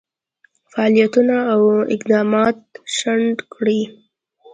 فعالیتونه او اقدامات شنډ کړي.